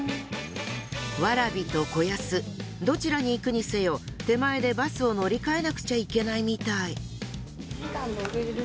蕨と子安どちらに行くにせよ手前でバスを乗り換えなくちゃいけないみたい。